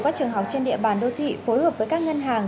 các trường học trên địa bàn đô thị phối hợp với các ngân hàng